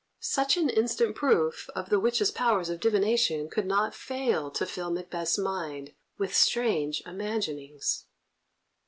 Such an instant proof of the witches' powers of divination could not fail to fill Macbeth's mind with strange imaginings.